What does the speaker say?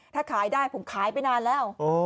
ถ้าขายได้ผมขายไปนานแล้ว